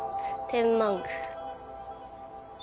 天満宮。